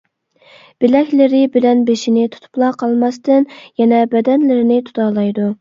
بىلەكلىرى بىلەن بېشىنى تۇتۇپلا قالماستىن يەنە بەدەنلىرىنى تۇتالايدۇ.